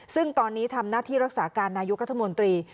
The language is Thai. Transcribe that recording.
ซึ่งตอนนี้ทำหน้าที่รักษาการนายกรัฐมนตรี